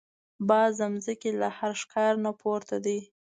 باز د زمکې له هر ښکار نه پورته دی